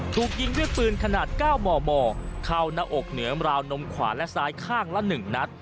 ถูกยิงด้วยปืนขนาด๙มมเข้าหน้าอกเหนือราวนมขวาและซ้ายข้างละ๑นัด